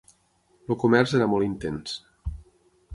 El comerç era molt intens.